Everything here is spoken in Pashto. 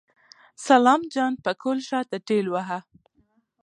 سلام جان پکول شاته ټېلوهه.